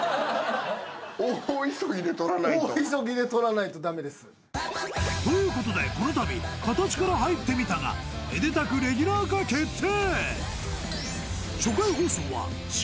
大急ぎで撮らないとダメですということでこのたび「形から入ってみた」がめでたくレギュラー化決定！